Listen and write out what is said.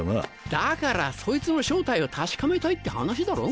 だからそいつの正体を確かめたいって話だろう？